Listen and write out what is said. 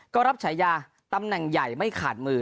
ก็รับฉายาตำแหน่งใหญ่ไม่ขาดมือ